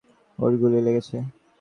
ওর গুলি লেগেছে!